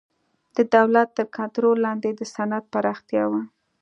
د دولت تر کنټرول لاندې د صنعت پراختیا و.